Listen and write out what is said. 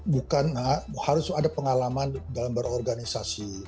bukan harus ada pengalaman dalam berorganisasi